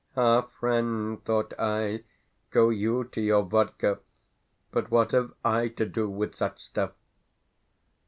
"Ah, friend," thought I, "go YOU to your vodka, but what have I to do with such stuff?"